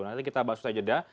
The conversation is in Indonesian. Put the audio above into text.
nanti kita bahas itu saja dah